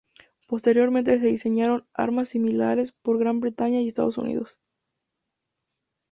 Posteriormente se diseñaron armas similares por Gran Bretaña y Estados Unidos.